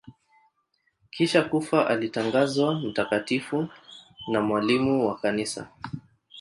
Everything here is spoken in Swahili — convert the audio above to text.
Kisha kufa alitangazwa mtakatifu na mwalimu wa Kanisa.